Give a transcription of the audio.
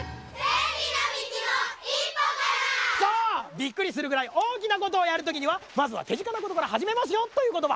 びっくりするぐらいおおきなことをやるときにはまずはてぢかなことからはじめますよということば。